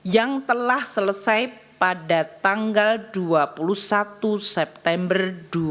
yang telah selesai pada tanggal dua puluh satu september dua ribu dua puluh